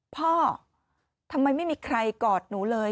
พ่อทำไมไม่มีใครกอดหนูเลย